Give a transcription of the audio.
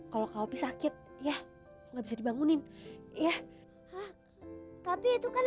gue tuh disini cuma bersih bersih aja